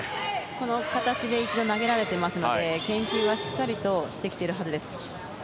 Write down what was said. この形で一度、投げられていますので研究はしっかりとしてきているはずです。